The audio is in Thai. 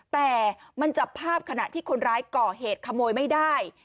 แต่มันจับภาพขณะที่คนร้ายก่อเหตุขโมยไม่ได้